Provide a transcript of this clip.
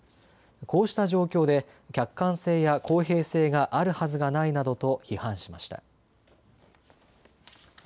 こうした状況で客観性や公平性があるはずがないなどと批判しました。